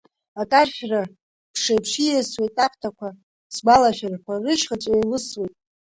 Акаршәра ԥшеиԥш ииасуеит аԥҭақәа, сгәалашәарақәа рышьхыҵә еилысуеит.